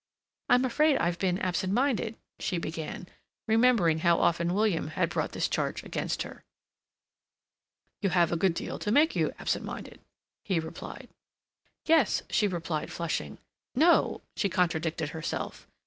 "I'm afraid I've been absent minded," she began, remembering how often William had brought this charge against her. "You have a good deal to make you absent minded," he replied. "Yes," she replied, flushing. "No," she contradicted herself.